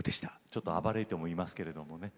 ちょっと暴れる糸もいますけれどもね。